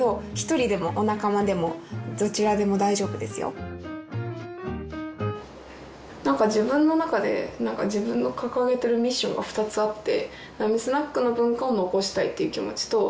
［例えば］何か自分の中で自分の掲げてるミッションが２つあって。